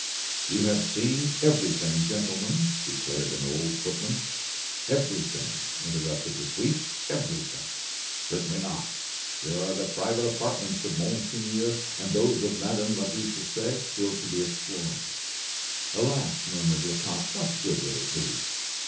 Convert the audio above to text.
"You have seen everything, gentlemen," declared an old footman. "Everything!" interrupted the Suisse, "everything! Certainly not. There are the private apartments of Monseigneur and those of Madame la Duchesse still to be explored." "Alas!" murmured Lecoq, "What good would it be?"